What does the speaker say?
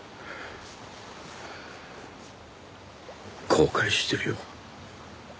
後悔してるよ。